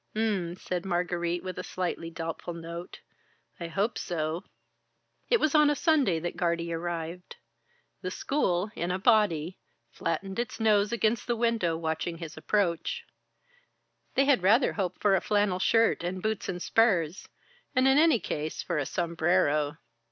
"Um," said Margarite, with a slightly doubtful note. "I hope so." It was on a Sunday that Guardie arrived. The school in a body flattened its nose against the window watching his approach. They had rather hoped for a flannel shirt and boots and spurs, and, in any case, for a sombrero.